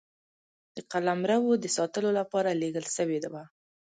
د قلمرو د ساتلو لپاره لېږل سوي وه.